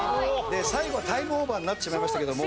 最後はタイムオーバーになってしまいましたけども。